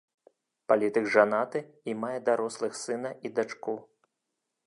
Палітык жанаты і мае дарослых сына і дачку.